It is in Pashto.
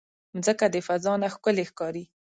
مځکه د فضا نه ښکلی ښکاري.